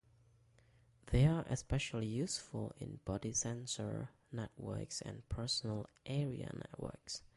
They are especially useful in body sensor networks and personal area networks.